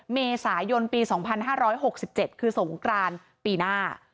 เมษายนปีสองพันห้าร้อยหกสิบเจ็ดคือสงกรานปีหน้า